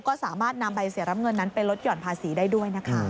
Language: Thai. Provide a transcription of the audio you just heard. ก็สามารถนำใบเสียรับเงินนั้นไปลดห่อนภาษีได้ด้วยนะคะ